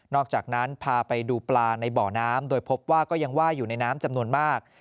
อกจากนั้นพาไปดูปลาในบ่อน้ำโดยพบว่าก็ยังว่ายอยู่ในน้ำจำนวนมาก